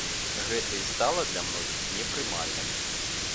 Гэта і стала для многія непрымальным.